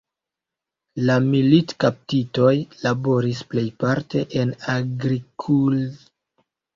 La militkaptitoj laboris plejparte en agrikltro aŭ en arbaro.